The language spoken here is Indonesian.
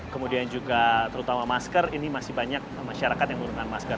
kemudian juga terutama masker ini masih banyak masyarakat yang menggunakan masker